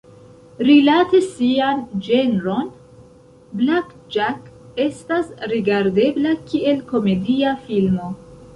Rilate sian ĝenron, "Black Jack" estas rigardebla kiel komedia filmo.